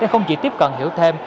để không chỉ tiếp cận hiểu thêm